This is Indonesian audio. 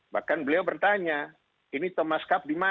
bahkan beliau bertanya ini thomas cup dimana